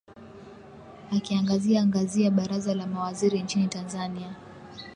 akiangazia ngazia baraza la mawaziri nchini tanzania